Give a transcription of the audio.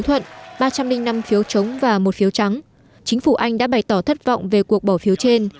thỏa thuận ba trăm linh năm phiếu chống và một phiếu trắng chính phủ anh đã bày tỏ thất vọng về cuộc bỏ phiếu trên